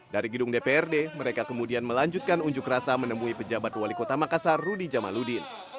dari gedung dprd mereka kemudian melanjutkan unjuk rasa menemui pejabat wali kota makassar rudy jamaludin